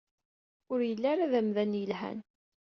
Ur yelli ara d amdan yelhan.